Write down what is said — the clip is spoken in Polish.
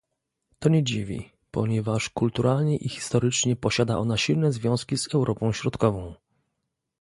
To nie dziwi, ponieważ kulturalnie i historycznie posiada ona silne związki z Europą Środkową